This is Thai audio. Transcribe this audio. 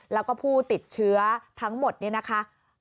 แล้วก็ผู้ติดเชื้อทั้งหมดเนี่ยนะคะ